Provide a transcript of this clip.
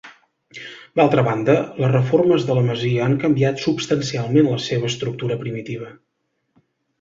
D'altra banda, les reformes de la masia han canviat substancialment la seva estructura primitiva.